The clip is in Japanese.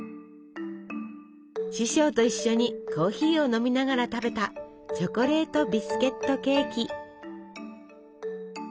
師匠と一緒にコーヒーを飲みながら食べたチョコレートビスケットケーキ。